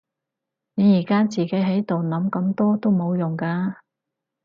你而家自己喺度諗咁多都冇用㗎